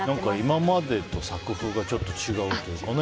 今までと作風がちょっと違うというかね。